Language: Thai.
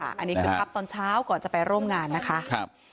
ใช่ค่ะอันนี้คือกลับตอนเช้าก่อนจะไปร่วมงานนะคะ